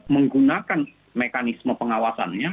menggunakan mekanisme pengawasannya